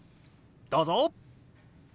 どうぞ！